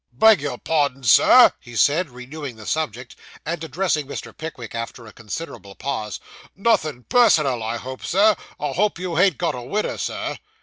'Beg your pardon, sir,' he said, renewing the subject, and addressing Mr. Pickwick, after a considerable pause, 'nothin' personal, I hope, sir; I hope you ha'n't got a widder, sir.